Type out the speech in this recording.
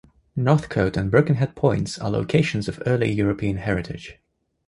Northcote and Birkenhead Points are locations of early European heritage.